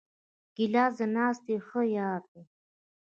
ګیلاس د ناستې ښه یار دی.